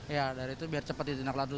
ya dari itu biar cepat ditindaklanjuti